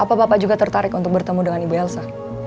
apa bapak juga tertarik untuk bertemu dengan ibu elsa